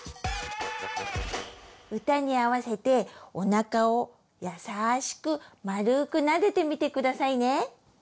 歌に合せておなかを優しくまるくなでてみてくださいね！